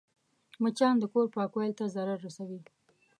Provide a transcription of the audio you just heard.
مچان د کور پاکوالي ته ضرر رسوي